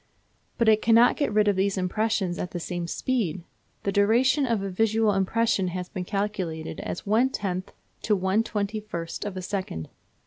But it cannot get rid of these impressions at the same speed. The duration of a visual impression has been calculated as one tenth to one twenty first of a second.